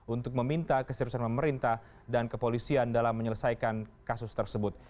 untuk meminta keseriusan pemerintah dan kepolisian dalam menyelesaikan kasus tersebut